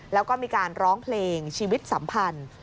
แล้วก็มีการร้องเพลงชีวิตสัมพันธ์